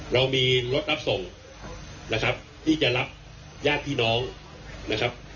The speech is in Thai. เรามีรถรับส่งนะครับที่จะรับญาติพี่น้องนะครับ